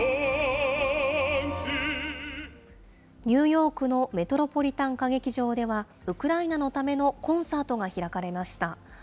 ニューヨークのメトロポリタン歌劇場では、ウクライナのためのコンサートが開かれました。